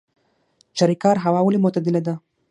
چاریکار هوا ولې معتدله ده؟